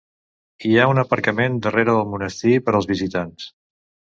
Hi ha un aparcament darrere del monestir per als visitants.